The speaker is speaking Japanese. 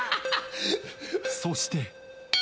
そして。